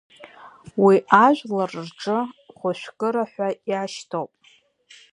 Уи ажәлар рҿы Хәажәкыра ҳәа иашьҭоуп.